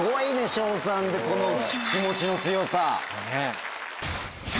小３でこの気持ちの強さ。